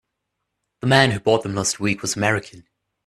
The man who bought them last week was American.